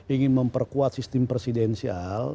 ingin memperkuat sistem presidensial